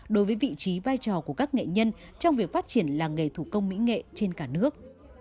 đối với vị trí vai trò của các nghệ nhân trong việc phát triển làng nghề thủ công mỹ nghệ trên cả nước